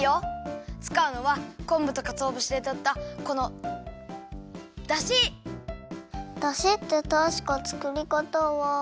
つかうのはこんぶとかつおぶしでとったこのだし！だしってたしか作り方は。